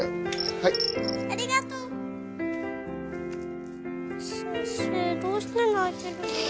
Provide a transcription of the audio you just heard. はいありがとう先生どうして泣いてるの？